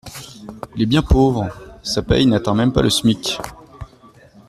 Il est bien pauvre, sa paye n’atteint même pas le SMIC.